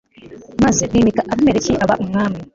maze bimika abimeleki aba umwami